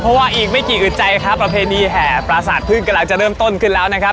เพราะว่าอีกไม่กี่อึดใจครับประเพณีแห่ปราสาทพึ่งกำลังจะเริ่มต้นขึ้นแล้วนะครับ